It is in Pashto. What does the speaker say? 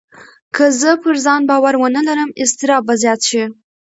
که زه پر ځان باور ونه لرم، اضطراب به زیات شي.